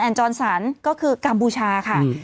แอนด์จรสรรค์ก็คือกัมพูชาค่ะ